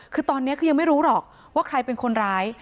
คือตอนนี้ก็ยังไม่รู้หรอกว่าใครเป็นคนร้าย